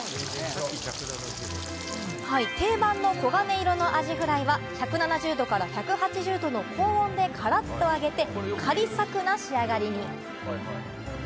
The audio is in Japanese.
定番の黄金色のアジフライは１７０度から１８０度の高温でカラっと揚げて、カリサクな仕上がりに。